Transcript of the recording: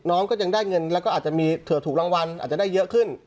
น้องก็ยังได้เงินแล้วก็อาจจะมีเผื่อถูกรางวัลอาจจะได้เยอะขึ้น